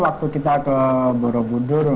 waktu kita ke borobudur